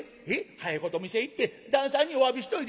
「早いことお店へ行って旦さんにおわびしておいで」。